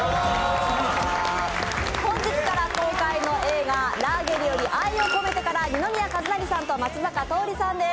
本日から公開の映画「ラーゲリより愛を込めて」から二宮和也さんと松坂桃李さんです。